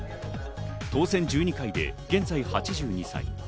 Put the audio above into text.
当選１２回で現在８２歳。